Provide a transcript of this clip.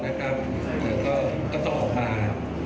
นะครับก็ต้องออกมา